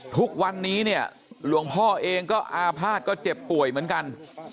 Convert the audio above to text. ทุกวันนี้เนี่ยหลวงพ่อเองก็อาภาษณ์ก็เจ็บป่วยเหมือนกัน